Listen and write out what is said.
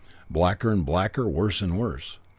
Blacker and blacker, worse and worse.